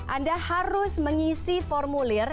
anda harus mengisi formulir